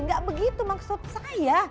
enggak begitu maksud saya